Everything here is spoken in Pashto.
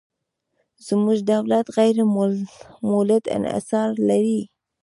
زموږ دولت غیر مولد انحصار لري.